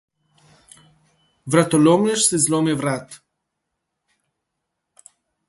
Vratolomnež si zlomi vrat.